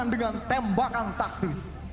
dengan tembakan taktis